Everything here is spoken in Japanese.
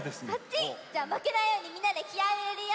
じゃあまけないようにみんなできあいをいれるよ！